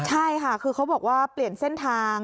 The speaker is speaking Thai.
ใช่ค่ะคือเขาบอกว่าเปลี่ยนเส้นทาง